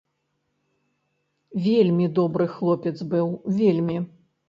Вельмі добры хлопец быў, вельмі.